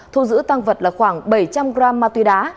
thu giữ tăng vật là khoảng bảy trăm linh gram ma túy đá